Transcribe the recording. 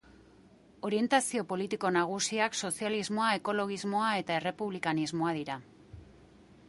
Orientazio politiko nagusiak sozialismoa, ekologismoa eta errepublikanismoa dira.